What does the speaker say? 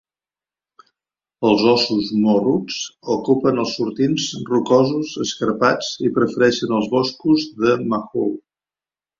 Els ossos morruts ocupen els sortints rocosos escarpats i prefereixen els boscos de mahul.